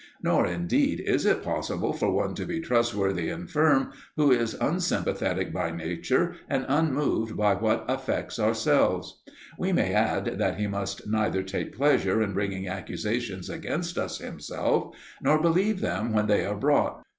Nor, indeed, is it possible for one to be trustworthy and firm who is unsympathetic by nature and unmoved by what affects ourselves. We may add, that he must neither take pleasure in bringing accusations against us himself, nor believe them when they are brought.